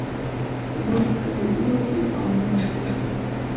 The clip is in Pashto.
نورې ښځې ووتې او نیمه شپه شوه.